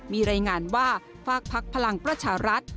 มีรายงานว่าฝากภักดิ์พลังประชารัฐ